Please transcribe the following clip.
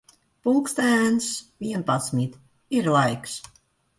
Pulkstens vienpadsmit. Ir laiks.